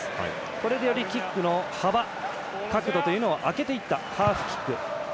これで、よりキックの幅、角度というのをあけていった。